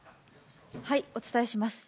お伝えします。